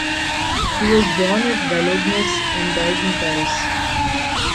He was born at Valognes, and died in Paris.